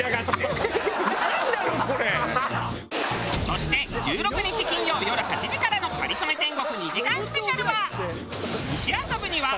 そして１６日金曜よる８時からの『かりそめ天国』２時間スペシャルは。